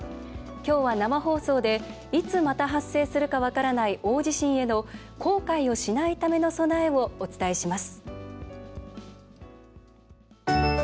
今日は生放送でいつ、また発生するか分からない大地震への後悔をしないための備えをお伝えします。